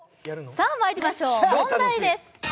さあまいりましょう、問題です。